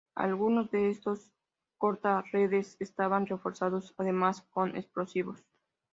Algunos de estos corta redes estaban reforzados además con explosivos.